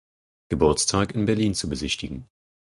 Geburtstag in Berlin zu besichtigen.